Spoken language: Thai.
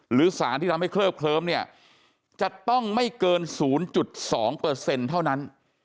หรือสารที่ทำให้เคลิบเคลิ้มเนี่ยจะต้องไม่เกิน๐๒เท่านั้น